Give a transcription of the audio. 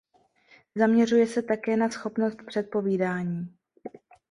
Zaměřuje se také na schopnost předpovídání.